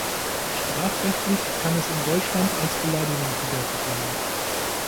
Strafrechtlich kann es in Deutschland als Beleidigung gewertet werden.